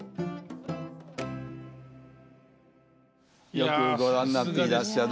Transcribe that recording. よくご覧になっていらっしゃる。